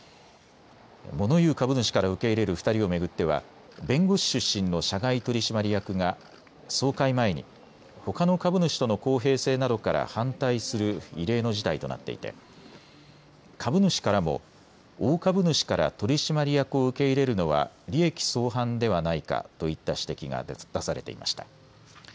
モノ言う株主から受け入れる２人を巡っては弁護士出身の社外取締役が総会前にほかの株主との公平性などから反対する異例の事態となっていて株主からも大株主から取締役を受け入れるのは利益相反ではないかといった指摘が出されていました。